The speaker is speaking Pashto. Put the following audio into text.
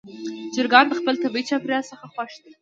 چرګان د خپل طبیعي چاپېریال څخه خوښ دي.